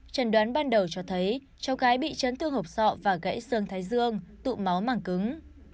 trần đoán ban đầu cho thấy cháu gái bị chấn thương hộp sọ và gãy sơn thái dương tụ máu màng cứng